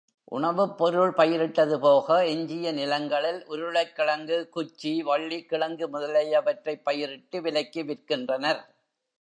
உணவுப் பொருள் பயிரிட்டது போக எஞ்சிய நிலங்களில் உருளைக்கிழங்கு, குச்சி வள்ளிக்கிழங்கு முதலியவற்றைப் பயிரிட்டு விலைக்கு விற்கின்றனர்.